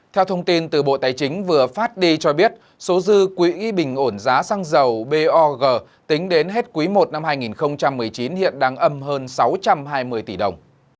theo thông tin từ bộ tài chính vừa phát đi cho biết số dư quỹ bình ổn giá xăng dầu bog tính đến hết quý i năm hai nghìn một mươi chín hiện đang âm hơn sáu trăm hai mươi tỷ đồng